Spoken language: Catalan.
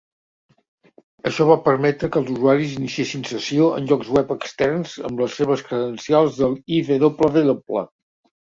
Això va permetre que els usuaris iniciessin sessió en llocs web externs amb les seves credencials de l'iWiW.